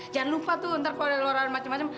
jangan lupa tuh ntar kalau ada laura yang macem macem